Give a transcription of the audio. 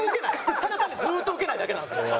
ただただずっとウケないだけなんですよ。